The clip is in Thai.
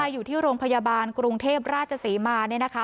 อยู่ที่โรงพยาบาลกรุงเทพราชศรีมาเนี่ยนะคะ